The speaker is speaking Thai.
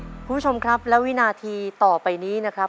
คุณผู้ชมครับและวินาทีต่อไปนี้นะครับ